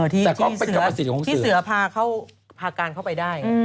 แต่เสือพาการเข้าไปได้